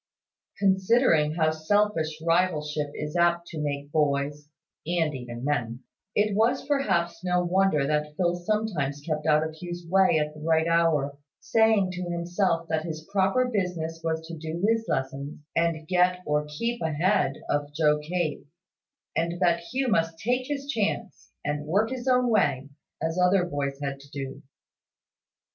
Considering how selfish rivalship is apt to make boys (and even men), it was perhaps no wonder that Phil sometimes kept out of Hugh's way at the right hour, saying to himself that his proper business was to do his lessons, and get or keep ahead of Joe Cape; and that Hugh must take his chance, and work his own way, as other boys had to do.